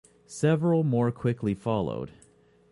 Several more quickly followed.